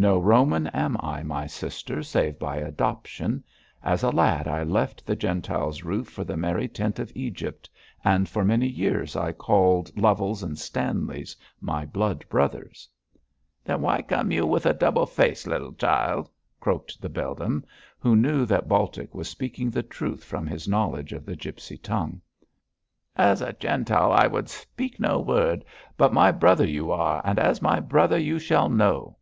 'No Roman am I, my sister, save by adoption. As a lad I left the Gentiles' roof for the merry tent of Egypt, and for many years I called Lovels and Stanleys my blood brothers.' 'Then why come you with a double face, little child?' croaked the beldam, who knew that Baltic was speaking the truth from his knowledge of the gipsy tongue. 'As a Gentile I would speak no word, but my brother you are, and as my brother you shall know.'